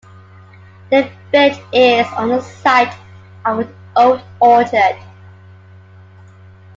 The village is on the site of an old orchard.